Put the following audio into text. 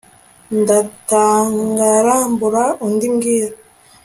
ndatangara mbura undi mbwira